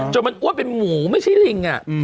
จนมันอ้วนเป็นหมูไม่ใช่ลิง